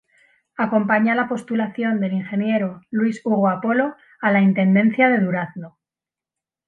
Acompaña la postulación del Ing. Luis Hugo Apolo a la Intendencia de Durazno.